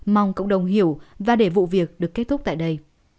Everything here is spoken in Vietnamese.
mong cộng đồng hiểu và để vụ việc được kết thúc tại đây